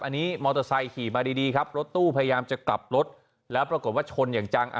อันนี้มอเตอร์ไซค์ขี่มาดีครับรถตู้พยายามจะกลับรถแล้วปรากฏว่าชนอย่างจัง